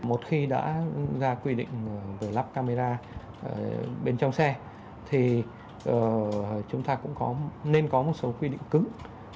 một khi đã ra quy định về lắp camera bên trong xe thì chúng ta cũng có nên có một số quy định cứng